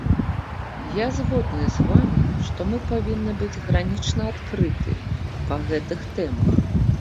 Я згодны з вамі, што мы павінны быць гранічна адкрыты па гэтых тэмах.